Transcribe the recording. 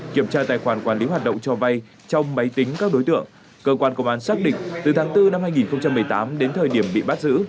kiểm tra tài khoản quản lý hoạt động cho vay trong máy tính các đối tượng cơ quan công an xác định từ tháng bốn năm hai nghìn một mươi tám đến thời điểm bị bắt giữ